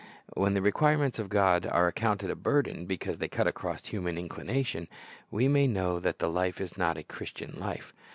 When the requirements of God are accounted a burden because they cut across human inclination, we may know that the life is not a Christian life.